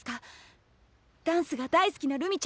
ダンスが大好きなるみちゃんの夢